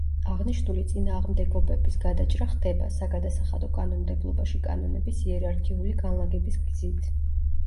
აღნიშნული წინააღმდეგობების გადაჭრა ხდება, საგადასახადო კანონმდებლობაში კანონების იერარქიული განლაგების გზით.